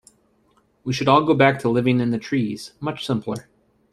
We should all go back to living in the trees, much simpler.